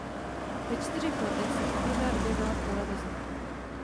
Ve čtyřech letech se poprvé objevila v televizi.